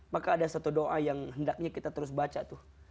maka ada satu doa yang hendaknya kita terus baca tuh